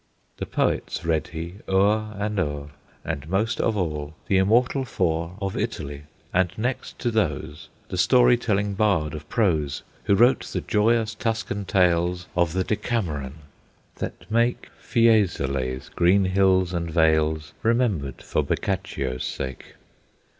The poets read he o'er and o'er, And most of all the Immortal Four Of Italy; and next to those, The story telling bard of prose, Who wrote the joyous Tuscan tales Of the Decameron, that make Fiesole's green hills and vales Remembered for Boccaccio's sake.